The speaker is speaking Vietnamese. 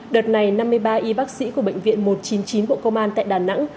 đợt này năm mươi ba y bác sĩ của bệnh viện một trăm chín mươi chín bộ công an tại đà nẵng